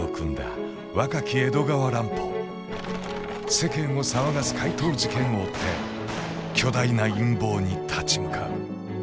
世間を騒がす怪盗事件を追って巨大な陰謀に立ち向かう。